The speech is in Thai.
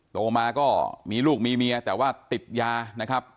โตมาก็มีลูกมีเมียแต่ว่าติดยานะครับ